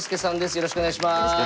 よろしくお願いします。